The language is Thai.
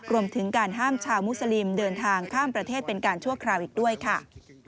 รวมถึงการห้ามชาวมุสลิมเดินทางข้ามประเทศเป็นการชั่วคราวอีกด้วยค่ะ